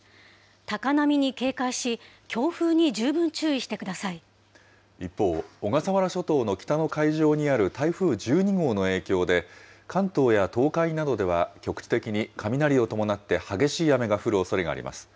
高波に警戒し、一方、小笠原諸島の北の海上にある台風１２号の影響で、関東や東海などでは、局地的に雷を伴って激しい雨が降るおそれがあります。